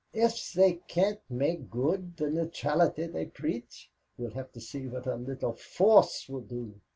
If they can't make good the neutrality they preach, we'll have to see what a little force will do."